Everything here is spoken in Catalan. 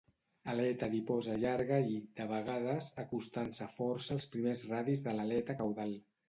Aleta adiposa llarga i, de vegades, acostant-se força als primers radis de l'aleta caudal.